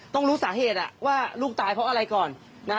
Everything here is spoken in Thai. ต้องรู้สาเหตุอ่ะว่าลูกตายเพราะอะไรก่อนนะฮะ